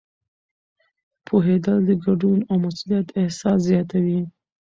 پوهېدل د ګډون او مسؤلیت احساس زیاتوي.